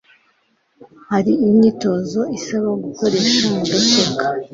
Hari n'imyitozo isaba gukoresha mudasobwa